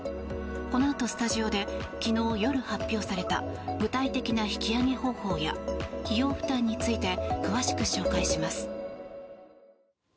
このあとスタジオで昨日夜発表された具体的な引き揚げ方法や費用負担について詳しく紹介します。